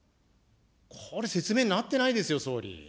これ、説明になってないですよ、総理。